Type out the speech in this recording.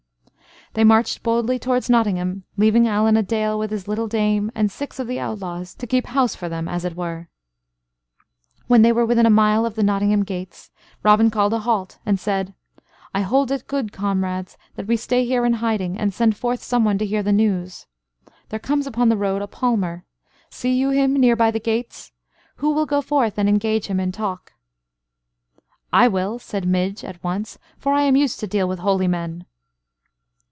They marched boldly towards Nottingham, leaving Allan a Dale with his little dame and six of the outlaws to keep house for them, as it were. When they were within a mile of Nottingham gates, Robin called a halt, and said: "I hold it good, comrades, that we stay here in hiding, and send forth someone to hear the news. There comes upon the road a palmer see you him near by the gates? Who will go forth and engage him in talk?" "I will," said Midge, at once; "for I am used to deal with holy men."